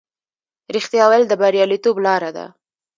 رښتیا ویل د بریالیتوب لاره ده.